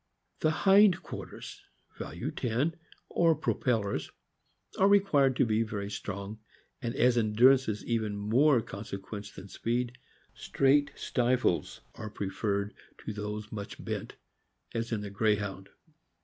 The hind quarters (value 10) or propellers are required to be very strong, and as endurance is of even more conse quence than speed, straight stines are preferred to those much bent, as in the Greyhound.